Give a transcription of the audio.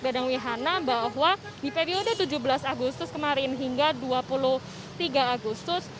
dan wehana bahwa di periode tujuh belas agustus kemarin hingga dua puluh tiga agustus